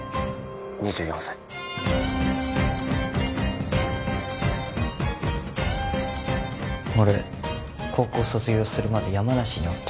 ２４歳俺高校卒業するまで山梨におった